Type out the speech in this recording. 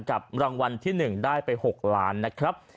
กับรางวัลที่๑ได้ไป๖ล้านนะครับ